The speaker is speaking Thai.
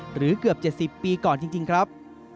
เกือบ๗๐ปีก่อนจริงครับ